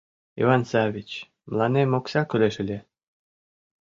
Иван Саввич, мыланем окса кӱлеш ыле.